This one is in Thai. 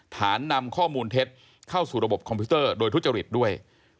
นำข้อมูลเท็จเข้าสู่ระบบคอมพิวเตอร์โดยทุจริตด้วย